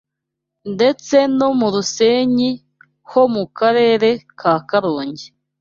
ndetse no mu Rusenyi ho mu Karere ka Karongi.